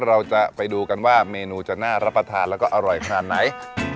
เราจะไปดูกันว่าเมนูจะน่ารับประทานแล้วก็อร่อยขนาดไหน